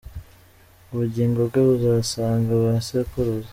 Ubugingo bwe buzasanga ba sekuruza.